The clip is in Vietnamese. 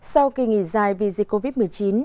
sau kỳ nghỉ dài vì dịch covid một mươi chín